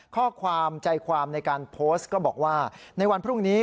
ข้อความใจความในการโพสต์ก็บอกว่าในวันพรุ่งนี้